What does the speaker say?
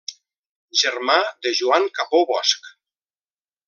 Germà de Joan Capó Bosch.